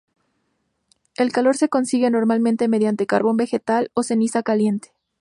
El calor se consigue normalmente mediante carbón vegetal o ceniza caliente.